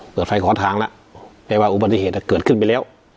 เปิดไฟขอทางแล้วแต่ว่าอุบัติเหตุเกิดขึ้นไปแล้ว